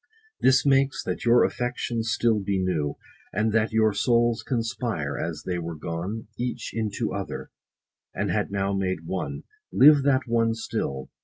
This makes, that your affections still be new, And that your souls conspire, as they were gone 110 Each into other, and had now made one. Live that one still